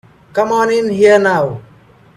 Come on in here now.